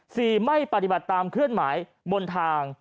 สี่ไม่ปฏิบัติตามเคลื่อนหมายบนทาง